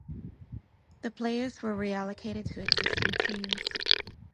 The players were reallocated to existing teams.